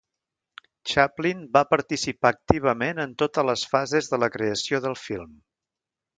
Chaplin va participar activament en totes les fases de la creació del film.